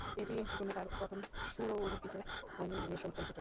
এটি জন্য তার প্রথম সুরারোপিত অ্যানিমেশন চলচ্চিত্র।